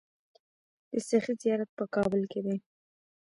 د سخي زیارت په کابل کې دی